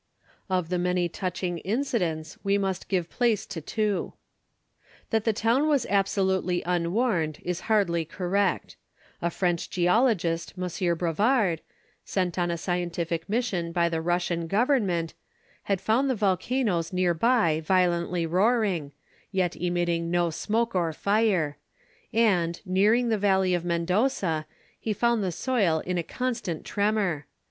Of the many touching incidents, we must give place to two: That the town was absolutely unwarned is hardly correct. A French geologist, M. Bravard, sent on a scientific mission by the Russian government, had found the volcanoes near by violently roaring, yet emitting no smoke or fire; and, nearing the valley of Mendoza, he found the soil in a constant tremor.